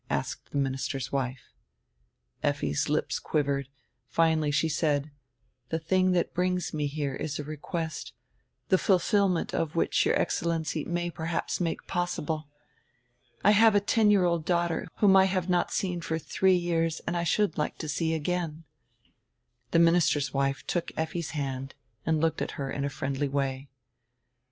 asked die minister's wife. Effi's lips quivered. Finally she said: "The thing that brings me here is a request, die fulfillment of which your Excellency may perhaps make possible. I have a ten year old daughter whom I have not seen for three years and should like to see again." The minister's wife took Effi's hand and looked at her in a friendly way.